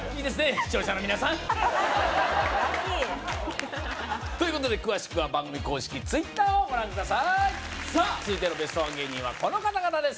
視聴者の皆さんということで詳しくは番組公式Ｔｗｉｔｔｅｒをご覧くださいさあ続いてのベストワン芸人はこの方々です